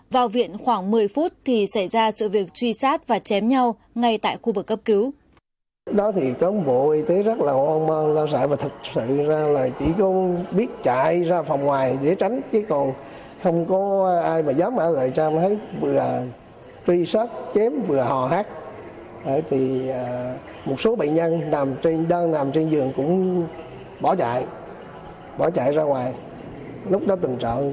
vào viện khoảng một mươi phút thì xảy ra sự việc truy sát và chém nhau ngay tại khu vực cấp cứu